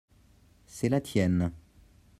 c'est la tienne.